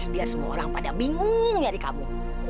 biar semua orang pada bingung nyari kamu